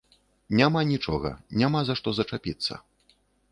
Няма нічога, няма за што зачапіцца.